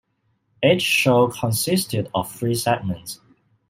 Each show consisted of three segments.